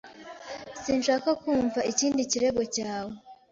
Sinshaka kumva ikindi kirego cyawe.